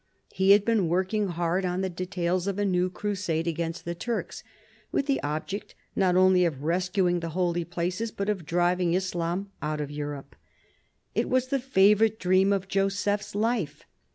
He had been working hard on the details of a new crusade against the Turks, with the object not only of rescuing the Holy Places, but of driving Islam out of Europe. It was the favourite dream of Joseph's life.